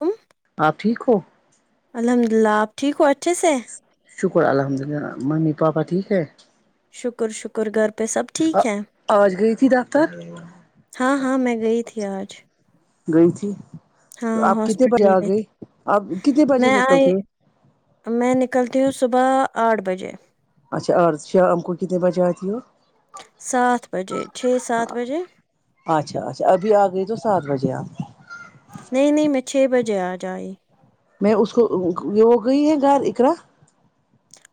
آمم آپ ٹھیک ہو الحمد للہ آپ ٹھیک ہو اچھے سے شکر الحمد للہ ممی پاپا ٹھیک ہے شکر شکر گھر پے سب ٹھیک ہیں تت ہاں ہاں میں گئی تھی آج گئی تھی ہاں تو آپ کتنے بجے ہاسپٹل آ گئی گئے تھی آپ کتنے بجے میں نکلتے آئی ہو میں نکلتی ہوں صبح آٹھ بجے اچھا اٹھ شام کو کتنے بجے آتی ہو سات بجے چھ سات بجے اچھا اچھا ابھی آ گئی تو سات بجے آپ نہیں نہیں میں چھ بجے آج آئی میں اس کو وہ ہو گئی ہے گر اقرا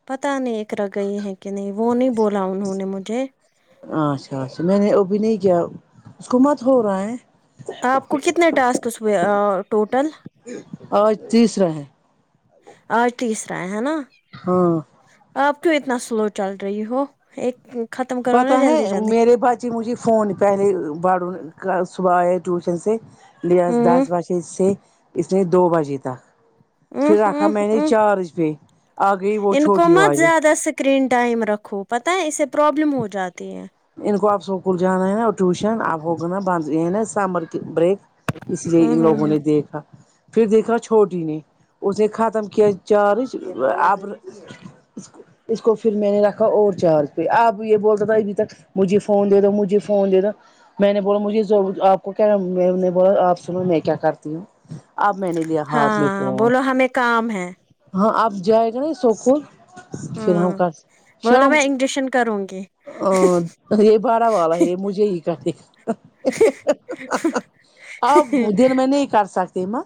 پتہ نہیں اقرا گئی ہے کہ نہیں وہ نہیں بولا انہوں نے مجھے اچھا اچھا میں نے ابھی نہیں کیا اس کو مت ہو رہا ہے آپ کو کتنے ٹاسکس ہوئے ٹوٹل آج تیسرا ہے آج تیسرا ہے ہے نا ہاں آپ کیوں اتنا سلو چل رہی ہو ایک ختم کرو پتہ نا ہے جلدی وہ جلدی میرے پاس جی مجھے فون پہلے باڑون کل صبح آئے ٹیوشن سے لیا آج دس ہ بجے سے اس میں دو بجے تک ہ پھر آخر ہ میں ہمیں نے ہ چارج گںی آگئی وہ ان کو چھوٹی مت والی زیادہ اسکرین ٹائم رکھو پتہ ہے اسے پرابلم ہو جاتی ہے ان کو اب اسکول جانا ہے نا ٹیوشن اب ہوگا نا بند ہے نا سمر کی بریک اس لیے ہوں ان ہوں لوگوں ہوں نے دیکھا پھر دیکھنا چھوڑدونگی نے اسے ختم کیا چارج ابر اس کو اس کو پھر میں نے رکھا اور چارج پہ آپ یہ بولتے بھائی ابھی تک مجھے فون دے دو مجھے فون دے دو میں نے بولا مجھے ذو آپ کو کیا میں نے بولا آپ سنو میں کیا کرتی ہوں اب میں نے لیا ہاتھ میں ہاں فون بولو ہمیں کام ہے ہاں اب جائے گا نا سوپور امم بولو میں انجیکشن کروں گی آ یہ بارہ والا ہے یہ مجھے ہی کاٹے اب دن میں نہیں کر سکتے نا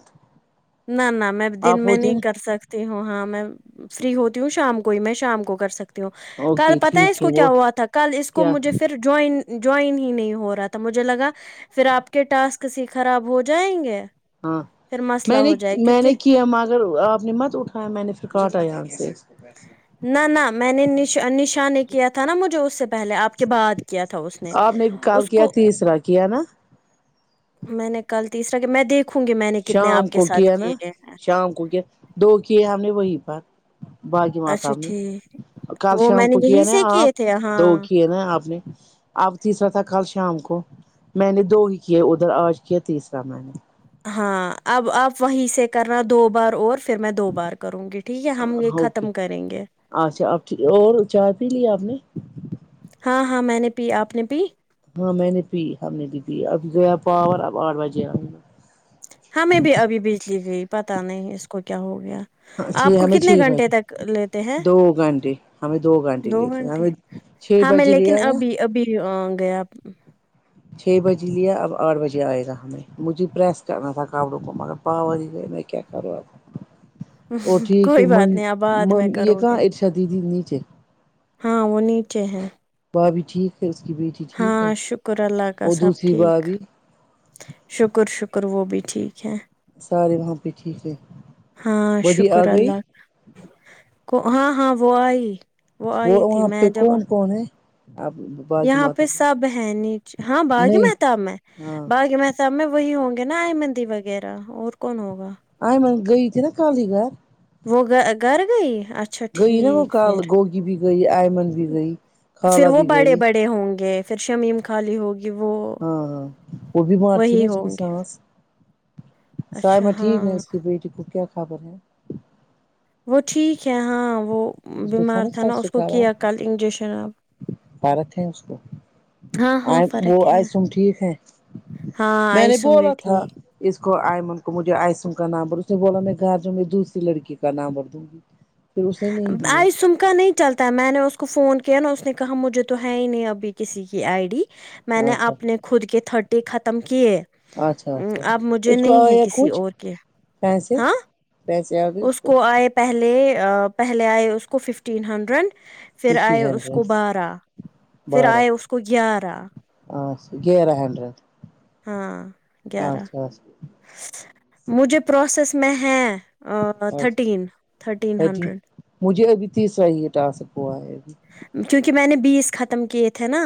نہ نہ نٹ دن میں نہیں کر نا سکت ہو ہاں میں فری ہوتی ہوں شام کو ہی میں شام کو کر سکتی ہوں ہوں کل اوکے پتہ ہے اس ٹھیک کو وہ کیا ہوا تھا کل اس کو کیا مجھے پھر جوائن جوائن ہی نہیں ہو رہا تھا مجھے لگا پھر آپ کے ٹاسک خراب ایسے ہو جائیں گے ہاں پھر مست میں نے میں نے کیا مگر آپ نے مت اٹھایا میں نے پھر کاٹا یہاں سے نہ نہ میں نے نشان نے نشا نے کیا تھا نا مجھے وہ اس سے پہلے آپ کے بات کیا تھا اس نے آپ کال اس کیا کو تیسرا کیا نا میں نے کل تیسرا کہ میں دیکھ شام کو کیا نا شام کو کیا دو کیے ہم نے وہی پر باقی وہا تھا اچھا آپ نے ٹھیک کل وہ شام میں نے کو کیا یہی نا سے آپ کیے تھے دو ہاں کیے نا آپ نے اب تیسرا تھا کل شام کو میں نے دو ہی کیے ادھر آج کیا تیسرا میں نے ہاں اب آپ وہیں سے کر رہا دو بار اور پھر میں دو بار کروں گی ٹھیک ہے ہم یہ اوکے ختم کریں گے اچھا اب کی اور چائے پی لیا آپ نے ہاں ہاں میں نے پی آپ نے پی ہاں میں نے پی ہم نے بھی پی اب گیا پاور اب آٹھ بجے اب ہاں میں بھی ابھی بجلی گئی پتا نہیں اس کو کیا ہو گیا گا چھ آپ کو ہمیں کتنے چھ گھنٹے بجے تک لیتے ہیں دو گھنٹے ہمیں گھنٹے دو لیتے گھنٹے ہمیں چھ ہاں میں بجے لیکن لیا نا ابھی ابھی گیا چھ بجے لیا اب آٹھ بجے آئے گا ہمیں مجھے پریس کرنا تھا کپڑوں کو مگر پاور ہی گیا کیا کرو آب وہ ٹھیک ہے کوئی مم بات نہیں اب بعد مم میں یہ کرو کہاں گے ارشا دیدی نیچے ہاں وہ نیچے ہیں بھابی ٹھیک ہے اس کی بیٹی ٹھیک ہے ہاں شکر اللہ کا اور سب دوسری ٹھیک بھابی شکر شکر وہ بھی ٹھیک ہے سارے وہاں پہ ٹھیک ہے ہاں بڑی آ شکر گئی اللہ کو ہاں ہاں وہ آئی وہ آئی تھی وہاں پہ میں جب کون کون ہے آپ باقی یہاں ماتا پہ سب ہے نیچ ہاں باغی نہیں متاب میں ہاں باغی متا سب میں وہی ہوں گے نا اہمندی وغیرہ اور کون ہوگا آئیں میں گئی تھی نا خالی گھر وہ گا گھر گئی اچھا اچھا گئی نا وہ ٹھیک کال پھر گوگی بھی گئی آئمن بھی گئی پھر خالہ وہ بھی بڑے گئی بڑے گںےہوں گے پھر شمیم خالی ہوگی کہ وہ ہاں ہاں وہ بی بھار تھی نا وہی اس کی ہوں گے سانس اچھا سائمہ ہاں ٹھیک ہے اس کی بیٹی کو کیا خابر ہے وہ ٹھیک ہے ہاں وہ اس کو بیمار تھا نا چسٹ اس کو کا کیا کل انجیکشن اب فرق ہے اس کو ہاں آ ہاں وہ فرق آئے ہے تم ٹھیک ہے ہاں میں نے آئیسم بولا تھا بیٹھی اس کو آئمن کو مجھے آئسن کا نام اس نے بولا میں گاجر میں دوسری لڑکی کا نام رکھدو آئی سم ک نہیں چلتا میں نے اس کو فون کیا نا اس نے کہا مجھے تو ہے ہی نہیں ابھی کسی کی آئی ڈی میں نے اچھا اپنے خود کی تھرٹی ختم کیے اچھا اچھا اب مجھے اس کو نہیں ہے آیا کسی کچھ اور کے پیسے ہاں پیسے آ گئے اس کو آئے پہلےا پہلے آئے اس کو ففٹین ہنڈریڈ پھر آئے ففٹی اس کو ہنڈریڈ بارہ پھر بارہ آئے اس کو گیارہ اچھا گیرہ ہینڈریڈ ہاں گیارہ اچھاچا مجھے پروسیس میں ہے ا اچھا تھرٹین تھرٹین تھرٹی ہنڈریڈ مجھے ابھی تیسرا ہی یہ ٹاسک ہوا ہے ابھی کیونکہ میں نے بیس ختم کیے تھے نا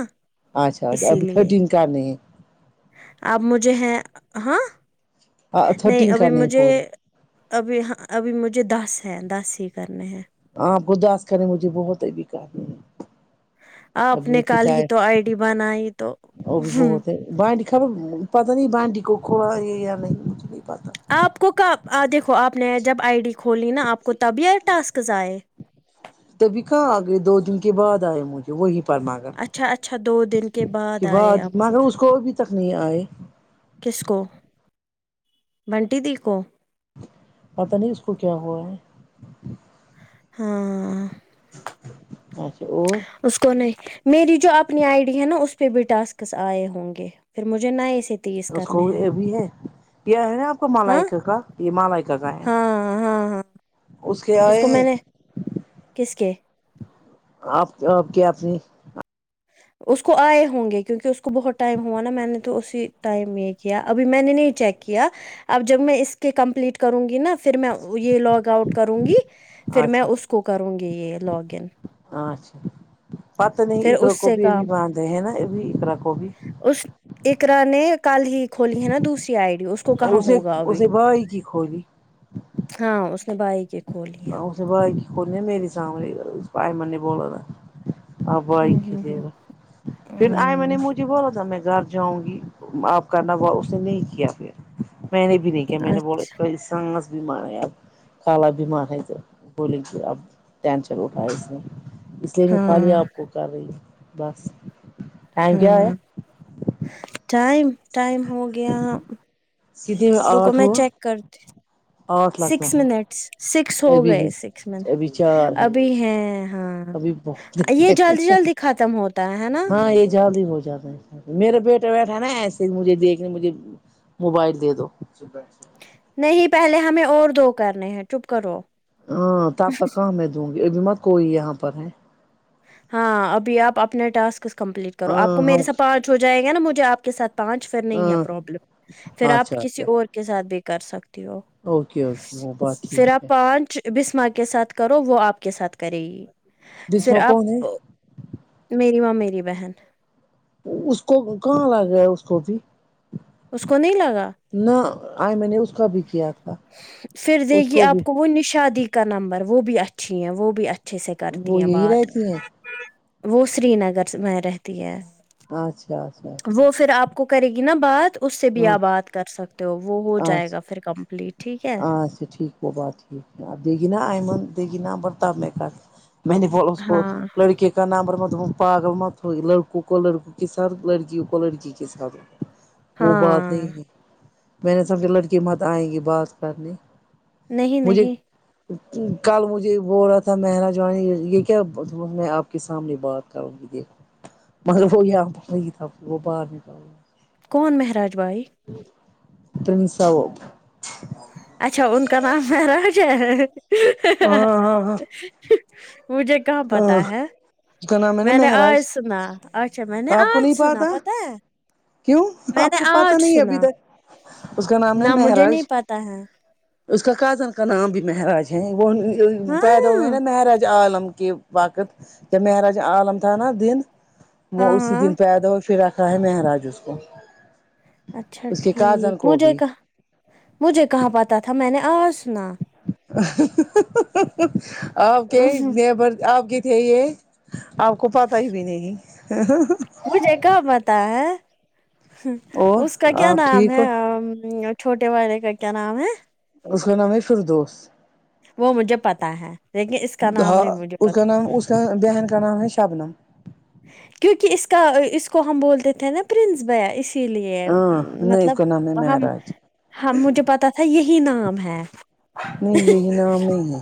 اچھا اچھ ابھی تھرٹین کرنے ہے آب مجھے ہے ہاں نہیں تھرٹین ابھی کرنے ہیں مجھے پورے ابھی ہاں ابھی مجھے دس ہیں دس ہی کرنے ہیں آپ کو دس کریں مجھے بہت ہے ابھی کرنے آپ ابھی نے مجھے کل ہی ٹائم تو آئی ڈی بنائی تو وہ بھی ہ بہت ہے بانڈی خبر پتہ نہیں بانڈی کو کھول یہ یا نہیں پتہ آپ کو دیکھو آپ نے جب آئی ڈی کھولی نا آپ کو تبھی ٹاسکز آئے تبھی کہاں آگئے دو دن کے بعد آئے مجھے وہی پر مگر اچھا اچھا دو دن کے کہ بعد ب آئے آپ مگر اس کو ابھی تک نہیں آئے کس کو بنٹی دی کو پتہ نہیں اس کو کیا ہوا ہے ہاں اچھا اور اس کو نہیں میری جو اپنی آئی ڈی ہے نا اس پہ بھی تسکس آئے ہوں گے پھر مجھے نئے سے تیس اس کو کرنے ہیں ابھی ہے یا ہے نا آپ ہاں مالائکا کا یہ مالائکا کا ہے ہاں ہاں ہاں اس کے ائے کو میں ہے نے کس کے آپ کے آپ کیا آپ نے اس کو آئے ہوں گے کیونکہ اس کو بہت ٹائم ہوا نا میں نے اسی ٹائم یہ کیا ابھی میں نے نہیں چیک کیا اب جب میں اس کے کمپلیٹ کر کروں گی نا پھر میں یہ لاگ آؤٹ کروں گی پھر میں اچھا اس کو کو کروں گی یہ لاگ ان اچھا پتا نہیں پھر ایککرا اس کو سے بھی ابھی کام باندھ ہے نا ابھی ایککرا کو بھی اس اقرا نے کل ہی کولی ہے نا دوسری آئیڈ ی اس کو کہاں اسے ہوگا ابھی اسے بھائی کی کھولی ہاں اس نے بھائی کی کھولی ہیں اب [unintelligible] اب بھائی ہوں کی ہوں ہوں پھر آئے میں ہوں نے مجھے بولا تھا میں گھر جاؤں گی آپ کرنا اس نے نہیں کیا پھر میں نے بھی نہیں کیا میں نے بولا اس کو [unintelligible] بیمار آب خالہ بیمار بولیں اب ٹینشن اٹھائے اس نے اس لیے میں خالی ہاں آب کو کررہی ہے بس ٹائم کیا آیا ہاں ٹائم ٹائم ہو گیا سیدھے روکو آٹھ میں ہوا چیک کرتی آٹھ لگنا سکس منٹ سکس ہو ہے ابھی ہے گئے سکس منٹ ابھی چار ہے ابھی ہیں ہاں ابھی بہت یہ جلدی جلدی ختم ہوتا ہے ہے نا ہاں زیادہ ہی بہت زیادہ ہے میرا بیٹا بیٹھا ہے نا ایسے ہی مجھے دیکھنے مجھے موبائل دے دو نہیں پہلے ہمیں اور دو کرنے ہیں چپ کرو ہاں تب تک کہاں میں دوں گی ابھی مت کوئی یہاں پر ہے ہاں ابھی آپ اپنا ٹاسک کمپلیٹ کرو آپ ہاں کو ہم میرے ساتھ پا نچ ہو جائے گا نا مجھے آپ کے ساتھ پانچ فر نہیں ہے ہاں پربلم پھر آپ اچھا کسی اچھا اور کے ساتھ بھی کر سکتی ہو اوکے اوکے وہ بات پھر ٹھیک آپ ہے پانچ بسماں کے ساتھ کرو وہ آپ کے ساتھ کرے گی پھر بسما آپ کون ہے میری ماں میری بہن اس کو کہاں آتا ہے اس کو ابھی اس کو نہیں لگا نہ آئے میں نے اس کا بھی کیا تھا پھر اس دیکھییے آپ بھی کو وہ نشاء دی کا نمبر وہ بھی اچھی ہے وہ بھی اچھی اچھے سے کرتی وہ ہیں یہی بات رہتی ہیں وہ سری نگر میں رہتی ہے اچھا اچھا اچھا وہ پھر آپ کو کرے گی نا بات اس سے بھی آپ بات کر سکتے ہو وہ ہو ہاں جائے گا اچھا پھر کمپلیٹ ٹھیک ہے اچھا ٹھیک وہ بات ٹھیک د گی نا ایئمن دگی نابرتاب میں میں نے اس کو ہاں لڑکے نامبر م پاگل م تھ لڑکوں کو لڑکوں کے ساتھ لڑکیوں کو لڑکی کے ساتھ وہ بات ہاں نہیں ہے میں نے سمجھا لڑکی مت آئیں گی بات کرنے نہیں مجھے نہیں کل مجھے بول رہا تھا مہراجانی یہ کیا میں آپ کے سامنے بات کروں دیک مگرب وہ ہوئی تھا وہ باہر نکال کون مہراج بائیی تنسا وہ اچھا ان کا نام ہے راجا ہاں ہاں مجھے کہاں پتا ہے کیا نام ہے نے میں آج مہراج سنا اچھا میں نے آپ کو آج نہیں پا سنا تھا پتا ہے کیوں میں آپ کو نے پتا آج نہیں ابھی سنا تک اس کا نام ہے نہ مجھے نہیں مہراج پتا ہے اس کا کازن کا نام بھی مہاراج ہے وہ ہاں پیدا ہوئے ہیں نا مہراج عالم کے وقت جب مہراج عالم تھا نا دن وہ ہاں اسی ہاں دن پیدا ہو اور پھر رکھ رہا ہے مہراج اس کو اچھا اس کے ٹھیک کازن کو مجھے بھی کہاں مجھے کہاں پتہ تھا میں نے آج سنا آپ کے نیبر آپ کے تھے یہ آپ کو پتا ہی بھی نہیں مجھے کہاں پتا ہے اور اس کا کیا آپ نام ٹھیک ہو ہے چھوٹے والے کا کیا نام ہے اس کا نام ہے فردوس وہ مجھے پتا ہے لیکن اس کا نام ہاں نہیں مجھے اس کا پتا نام اس بہن کر نام ہیں شبنم کیوںکہ اس کا اس کو ہم بولتے تھے نا پرنس بیا اس اسی لیے ہاں نہیں اس مطلب کا نام ہے مہراج ہم مجھے پتا تھا یہی نام ہے نہیں یہی نام نہیں ہے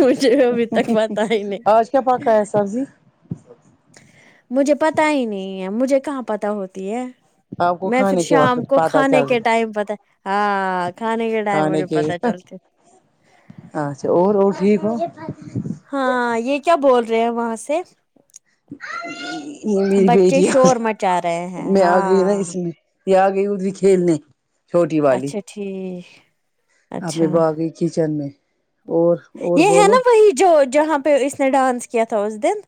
مجھے ابھی تک پتا ہی نہیں آج کیا پکا ہے سبزی مجھے پتا ہی نہیں ہے مجھے کہاں پتا ہوتی ہے آپ کو میں پھر کھانے کے وقت شام کو پتہ کھانے چل کے رہی ٹائم پتا ہاں کھانے کے ٹائم کھانے مجھے کے پتا چلتے اچھا اور اور ٹھیک ہو ہاں یہ کیا بول رہے ہیں وہاں سے میری بچے بیٹی آ گئی شور مچا رہے ہیں میں آ گئی نا ہاں اس لئے یہ آ گئی ا بھی کھیلنے چھوٹی والی اچھا ٹھیک اپنے اچھا باغی کچن میں اور اور یہ ہے نا بولو وہی جو جہاں پہ اس نے ڈانس کیا تھا اس دن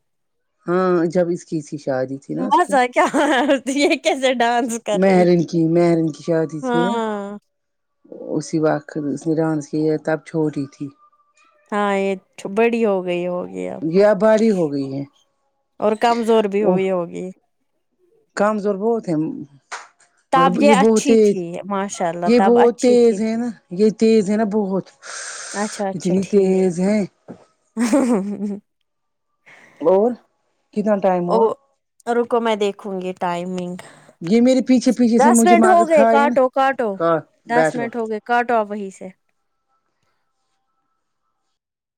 ہاں جب اس کی تھی شادی تھی نا اس کی مزہ کیا آ یہ یہ کیسے ڈانس کر رہی ہے میرن کی میرن کی شادی تھی نا اسی وقت اس نے ڈانس کیا تب چھوٹی تھی ہاں یہ بڑی ہو گئی ہوگی ہے یہ اب باری ہو گئی ہے اور کمزور بھی وہ ہوئی ہوگی کمزور بہت ہیں تب یہ بہت اچھی تیز تھی ماشاء اللہ یہ تب بہت اچھی تھی تیز ہے نا یہ تیز ہے نا بہت اتنی تیز ہے ہ اور کتنا ٹائم ہوا او رکو میں دیکھوں گی ٹائمنگ یہ میرے پیچھے پیچھے سے دس مجھے منٹ ہو ماگت گئے کھائے نا کاٹو کاٹو ہاں دس بیٹھو منٹ ہو گئے کاٹو آپ وہی سے